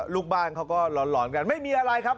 ลูกบ้านก็ร้อนแล้วไม่มีอะไรครับ